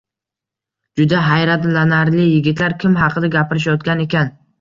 Juda hayratlanarli, yigitlar kim haqida gapirishayotgan ekan